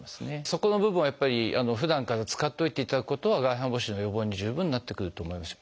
そこの部分をやっぱりふだんから使っといていただくことは外反母趾の予防に十分なってくると思います。